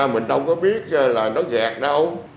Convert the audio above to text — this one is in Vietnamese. mình đâu có biết là nó dẹt đâu